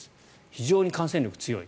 非常に感染力が強い。